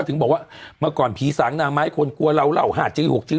ก็ถึงบอกว่าเมื่อก่อนผีสางนางไม้คนกลัวเล่าเหล่าหาดจึงหกจึง